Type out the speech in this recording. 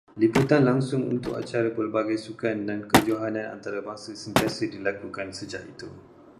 Liputan langsung untuk acara pelbagai sukan dan kejohanan antarabangsa sentiasa dilakukan sejak itu.